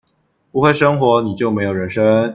不會生活，你就沒有人生